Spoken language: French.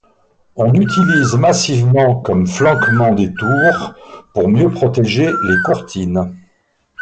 On utilise massivement comme flanquements des tours pour mieux protéger les courtines.